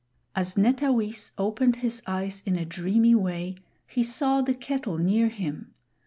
As Netawis opened his eyes in a dreamy way, he saw the kettle near him.